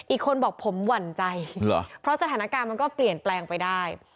อีกคนบอกผมหวั่นใจเพราะสถานการณ์มันก็เปลี่ยนแปลงไปได้